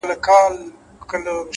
هر منزل د نوي فهم سرچینه ده,